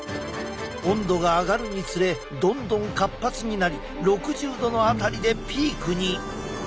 温度が上がるにつれどんどん活発になり６０℃の辺りでピークに。